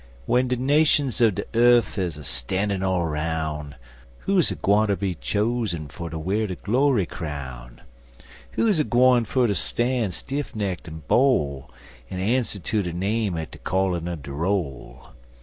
W'en de nashuns er de earf is a stan'in all aroun, Who's a gwineter be choosen fer ter w'ar de glory crown? Who's a gwine fer ter stan' stiff kneed en bol'. En answer to der name at de callin' er de roll?